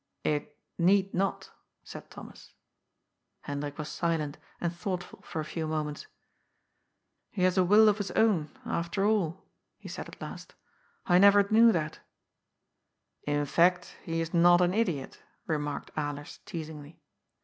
" It need not," said Thomas. Hendrik was silent and thoughtful for a few moments. '* He has a will of his own, after all," he said at last ^' I never knew that." " In fact, he is not an idiot," remarked Alers teasingly.